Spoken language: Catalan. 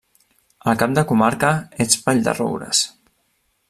El cap de comarca és Vall-de-roures.